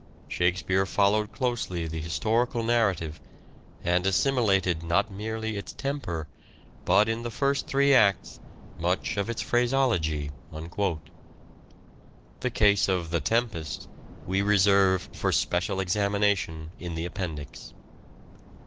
Shakespeare followed closely the historical narrative, and assimilated not merely its temper, but in the first three acts, much of its phraseology." The case of "The Tempest" we reserve for special examination in the appendix.